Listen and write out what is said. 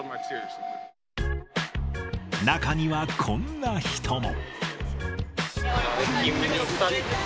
中にはこんな人も。